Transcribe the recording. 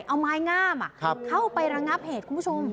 เอาไม้งามเข้าไประงับเหตุคุณผู้ชม